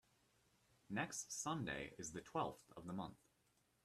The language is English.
Next Sunday is the twelfth of the month.